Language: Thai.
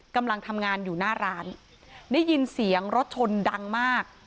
กำลังทำงานอยู่หน้าร้านได้ยินเสียงรถชนดังมาก